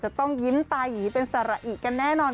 ต้องยิ้มตายีเป็นสาระอิกันแน่นอน